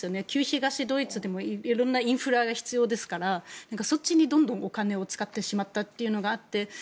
旧東ドイツでもいろんなインフラが必要ですからそっちにどんどんお金を使ってしまったというのがあって。